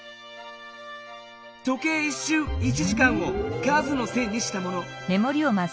時計１しゅう１時間を数の線にしたもの。